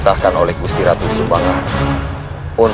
selasi selasi bangun